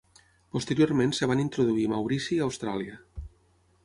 Posteriorment es van introduir Maurici i Austràlia.